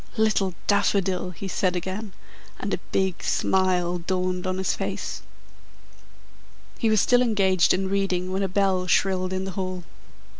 "Little Daffodil!" he said again, and a big smile dawned on his face. He was still engaged in reading when a bell shrilled in the hall.